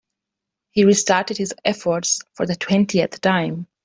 He restarted his efforts for the twentieth time.